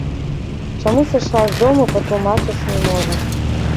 Чаму сышла з дому, патлумачыць не можа.